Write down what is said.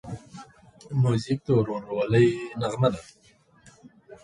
موزیک د ورورولۍ نغمه ده.